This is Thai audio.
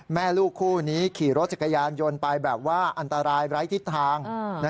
แม่ลูกคู่นี้ขี่รถจักรยานยนต์ไปแบบว่าอันตรายไร้ทิศทาง